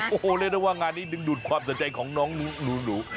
โอ้โหเรียกได้ว่างานนี้ดึงดูดความสนใจของน้องหนู